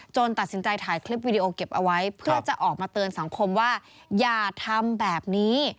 ตัดสินใจถ่ายคลิปวิดีโอเก็บเอาไว้เพื่อจะออกมาเตือนสังคมว่าอย่าทำแบบนี้